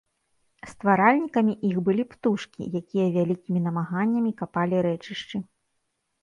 Стваральнікамі іх былі птушкі, якія вялікімі намаганнямі капалі рэчышчы.